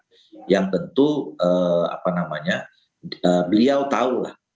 nah yang tentu apa namanya beliau tahu lah